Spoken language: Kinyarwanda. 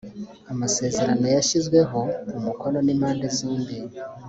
amasezerano yashyizweho umukono n’impande zombi